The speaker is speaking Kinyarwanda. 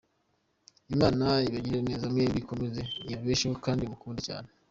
Imana ibagirire neza mwembi ikomeze ibabesheho kandi umukunde cyane:.